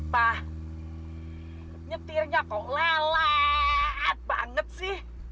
pak nyetirnya kok lelet banget sih